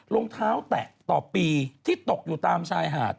รองเท้าแตะต่อปีที่ตกอยู่ตามชายหาด